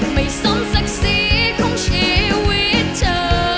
ไม่สมศักดิ์ศรีของชีวิตเธอ